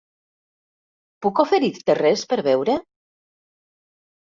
Puc oferir-te res per beure?